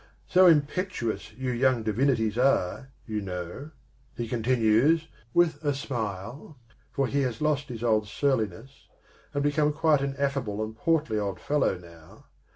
So impetuous you young divinities are, you know," he continues, with a smile, for he has lost his old surliness and become quite an affable and portly old fellow now.